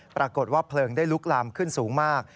ปรากฏว่าเพลิงได้ลุกลามขึ้นสูงมาก